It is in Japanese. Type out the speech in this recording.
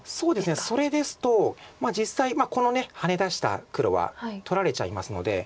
それですと実際このハネ出した黒は取られちゃいますので。